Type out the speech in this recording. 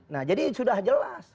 nah jadi sudah jelas